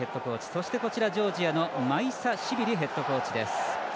そして、ジョージアのマイサシビリヘッドコーチです。